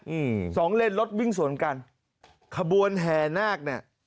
อืมสองเลนรถวิ่งสวนกันขบวนแห่นาคเนี่ย